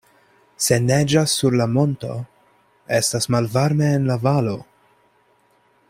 Se neĝas sur la monto, estas malvarme en la valo.